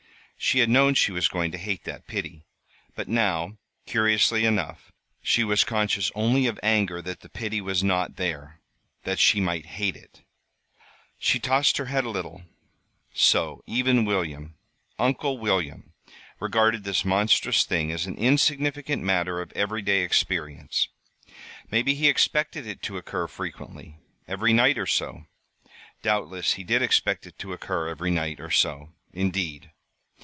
She had known she was going to hate that pity; but now, curiously enough, she was conscious only of anger that the pity was not there that she might hate it. She tossed her head a little. So even William Uncle William regarded this monstrous thing as an insignificant matter of everyday experience. Maybe he expected it to occur frequently every night, or so. Doubtless he did expect it to occur every night, or so. Indeed!